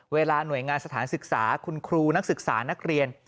เวลาหน่วยงานสถานศึกษาคุณครูนักศึกษานักเรียน